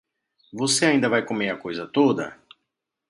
Você ainda vai comer a coisa toda?